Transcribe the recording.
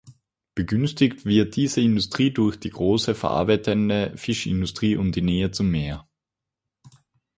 Begünstigt wird diese Industrie durch die große verarbeitenden Fischindustrie und die Nähe zum Meer.